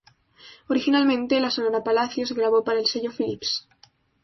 Originalmente, la Sonora Palacios grabó para el sello Phillips.